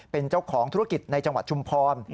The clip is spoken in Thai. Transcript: เป็นเจ้าของธุรกิจในจังหวัดชุมพร